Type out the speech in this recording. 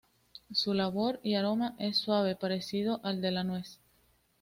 Su sabor y aroma es suave, parecido al de la nuez.